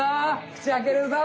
口あけるぞ！